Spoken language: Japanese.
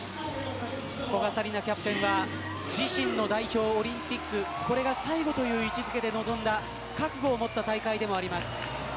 古賀紗理那キャプテンは自身の代表オリンピックこれが最後という位置付けで臨んだ覚悟を持った大会でもあります。